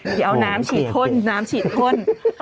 เดี๋ยวเอาน้ำฉีดพ่นน้ำฉีดพ่น